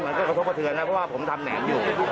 กระทบกระเทือนนะเพราะว่าผมทำแหนมอยู่